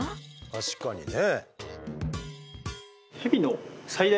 確かにね。